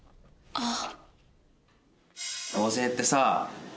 あっ。